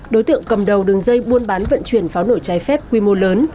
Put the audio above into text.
đối tượng cầm đầu đường dây buôn bán vận chuyển pháo nổi trái phép quy mô lớn